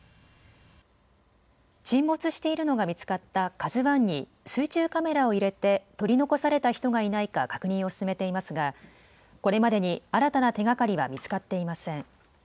沈没しているのが見つかったＫＡＺＵＩに、水中カメラを入れて取り残された人がいないか確認を進めていますが、これまでに新たな手がかりは見つかっていません。